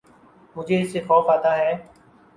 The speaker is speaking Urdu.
مجھے اس سے خوف آتا ہے